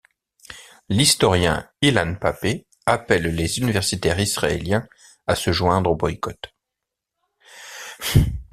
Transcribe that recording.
L'historien Ilan Pappé appelle les universitaires israéliens à se joindre au boycott.